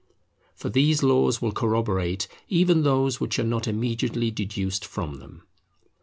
For these laws will corroborate even those which are not immediately deduced from them.